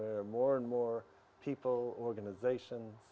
di mana lebih banyak orang organisasi